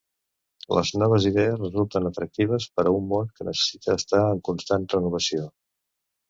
Les noves idees resulten atractives per a un món que necessita estar en constant renovació.